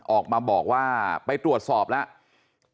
ออกมาบอกว่าไปตรวจสอบแล้ว